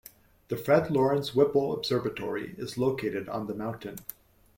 The Fred Lawrence Whipple Observatory is located on the mountain.